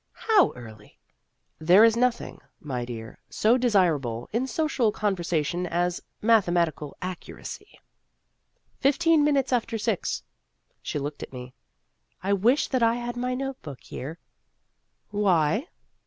" How early?" (There is nothing, my dear, so desirable in social conversation as mathematical accuracy.) " Fifteen minutes after six." She looked at me. " I wish that I had my note book here." " Why